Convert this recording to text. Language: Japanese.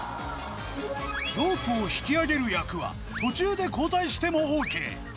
ロープを引き上げる役は途中で交代してもＯＫ